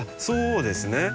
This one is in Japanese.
そうですね。